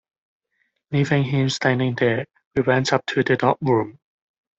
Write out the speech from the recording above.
Leaving him standing there, we went up to the top room.